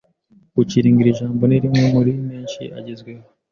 guchilinga Iri jambo ni rimwe muri menshi agezweho